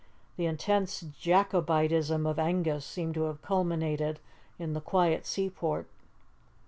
The intense Jacobitism of Angus seemed to have culminated in the quiet seaport.